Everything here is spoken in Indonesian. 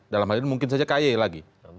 dalam hal ini mungkin saja kaye lagi